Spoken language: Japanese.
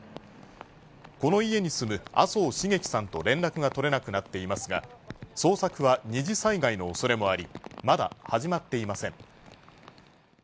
この家に住む麻生繁喜さんと連絡が取れなくなっていますが、捜索は二次災害の恐れもありまだ始まっていません。